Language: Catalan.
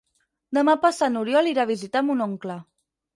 Demà passat n'Oriol irà a visitar mon oncle.